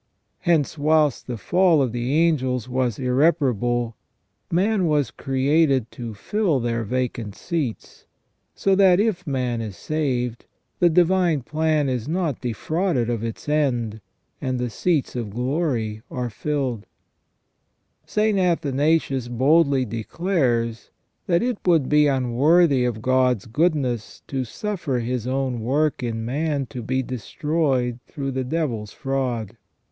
Hence, whilst the fall of the angels was irreparable, man was created to fill their vacant seats, so that if man is saved, the divine plan is not defrauded of its end, and the seats of glory are filled, St, Athanasius boldly declares that " it would be unworthy of God's goodness to suffer His own work in man to be destroyed through the devil's fraud.